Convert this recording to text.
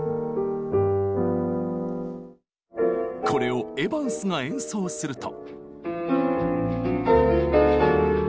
これをエヴァンスが演奏すると。